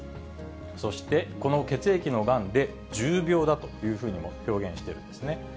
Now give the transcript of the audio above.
そして、この血液のがんで重病だというふうにも表現しているんですね。